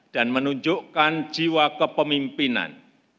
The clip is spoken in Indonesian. dan menunjukkan jiwa kepemimpinan